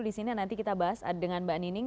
di sini nanti kita bahas dengan mbak nining